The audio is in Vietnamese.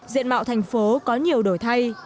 diện mạo thành phố có nhiều đổi thay